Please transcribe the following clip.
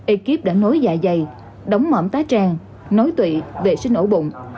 ekip đã nối dạ dày đóng mõm tá tràng nối tụy vệ sinh ổ bụng